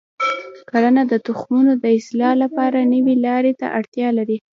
کرنه د تخمونو د اصلاح لپاره نوي لارې ته اړتیا لري.